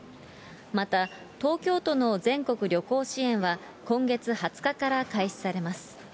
また東京都の全国旅行支援は、今月２０日から開始されます。